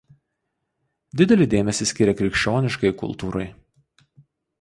Didelį dėmesį skyrė krikščioniškajai kultūrai.